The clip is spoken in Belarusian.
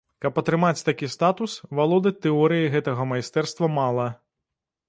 Каб атрымаць такі статус, валодаць тэорыяй гэтага майстэрства мала.